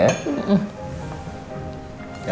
bapak sarapan ya